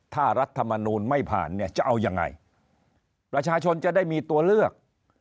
ถ้ารัฐมนูลไม่ผ่านเนี่ยจะเอายังไงประชาชนจะได้มีตัวเลือก